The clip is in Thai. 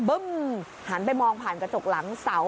หันไปมองผ่านกระจกหลังเสา